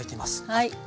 はい。